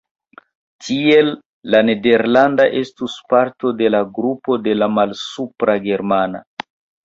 Tiel la nederlanda estus parto de la grupo de la malsupra germana.